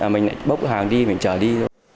mình lại bốc hàng đi mình trở đi